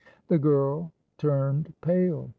The girl turned pale.